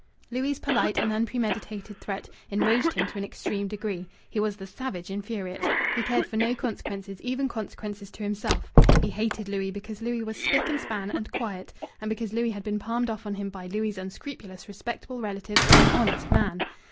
Louis' polite and unpremeditated threat enraged him to an extreme degree. He was the savage infuriate. He cared for no consequences, even consequences to himself. He hated Louis because Louis was spick and span, and quiet, and because Louis had been palmed off on him by Louis' unscrupulous respectable relatives as an honest man.